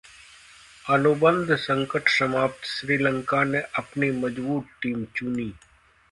अनुबंध संकट समाप्त, श्रीलंका ने अपनी मजबूत टीम चुनी